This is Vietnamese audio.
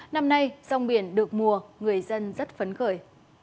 năm nay rong biển được mùa người dân rất phấn khởi